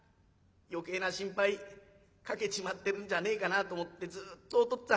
余計な心配かけちまってるんじゃねえかなと思ってずっとお父